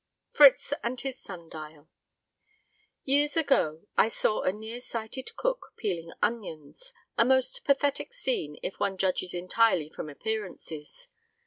Fritz and His Sun Dial Years ago, I saw a near sighted cook peeling onions a most pathetic scene if one judges entirely from appearances.